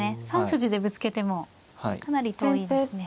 ３筋でぶつけてもかなり遠いですね。